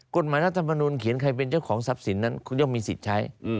รัฐมนุนเขียนใครเป็นเจ้าของทรัพย์สินนั้นคุณย่อมมีสิทธิ์ใช้